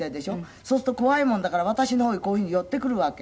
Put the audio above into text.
「そうすると怖いもんだから私の方へこういうふうに寄ってくるわけ」